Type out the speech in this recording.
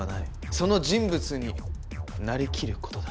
その人物になりきることだ。